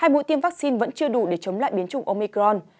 hai mũi tiêm vaccine vẫn chưa đủ để chống lại biến chủng omicron